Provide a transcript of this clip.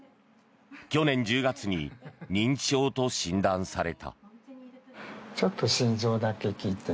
去年１０月に認知症と診断された。